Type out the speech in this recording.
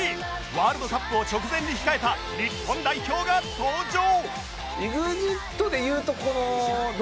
ワールドカップを直前に控えた日本代表が登場！